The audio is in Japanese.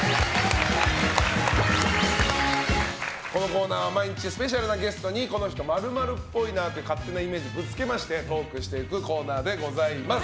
このコーナーは毎日スペシャルなゲストにこの人○○っぽいなと勝手なイメージぶつけましてトークしていくコーナーです。